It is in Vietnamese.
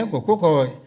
của quốc hội